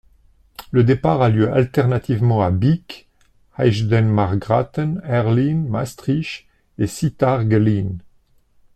Le départ a lieu alternativement à Beek, Eijsden-Margraten, Heerlen, Maastricht et Sittard-Geleen.